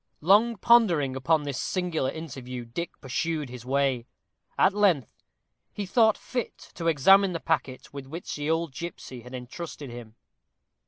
Long pondering upon this singular interview, Dick pursued his way. At length he thought fit to examine the packet with which the old gipsy had entrusted him.